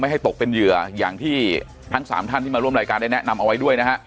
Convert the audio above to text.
ให้ตกเป็นเหยื่ออย่างที่ทั้งสามท่านที่มาร่วมรายการได้แนะนำเอาไว้ด้วยนะฮะ